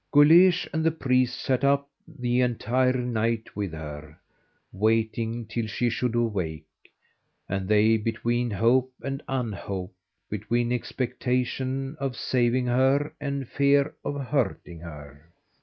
Guleesh and the priest sat up the entire night with her, waiting till she should awake, and they between hope and unhope, between expectation of saving her and fear of hurting her.